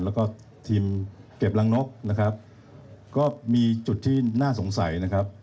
แล้วก็ทีมเก็บรังนกนะครับก็มีจุดที่น่าสงสัยนะครับ